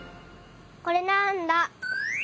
これなんだ？